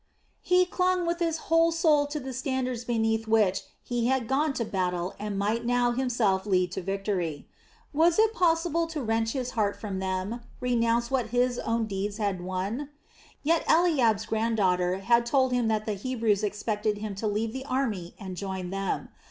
He clung with his whole soul to the standards beneath which he had gone to battle and might now himself lead to victory. Was it possible to wrench his heart from them, renounce what his own deeds had won? Yet Eliab's granddaughter had told him that the Hebrews expected him to leave the army and join them.